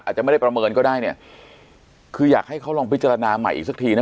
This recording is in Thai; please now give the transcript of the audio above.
อาจจะไม่ได้ประเมินก็ได้เนี่ยคืออยากให้เขาลองพิจารณาใหม่อีกสักทีนะ